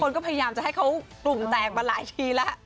คนก็พยายามจะให้เขากลุ่มแตกมาหลายทีแล้ว